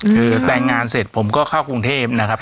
คือแต่งงานเสร็จผมก็เข้ากรุงเทพนะครับ